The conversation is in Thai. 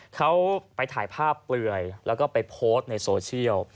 เขาไปถ่ายภาพเปลือยแล้วก็ไปโพสต์ในโซเชียล